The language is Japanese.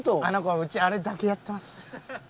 あの子はうちあれだけやってます。